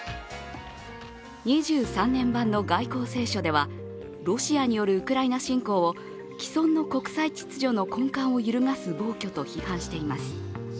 ２３年版の外交青書では、ロシアによるウクライナ侵攻を既存の国際秩序の根幹を揺るがす暴挙と批判しています。